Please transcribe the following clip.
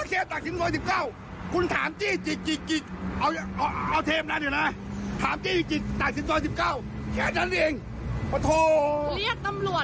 เรียกตำลวดมาค่ะไปลงพักไปลงพักไปลงพักไปลงพัก